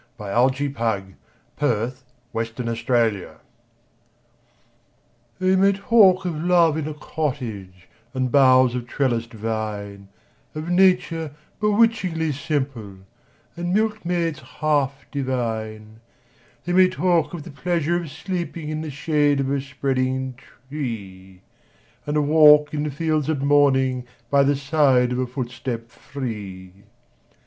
Nathaniel Parker Willis Love in a Cottage THEY may talk of love in a cottage And bowers of trellised vine Of nature bewitchingly simple, And milkmaids half divine; They may talk of the pleasure of sleeping In the shade of a spreading tree, And a walk in the fields at morning, By the side of a footstep free!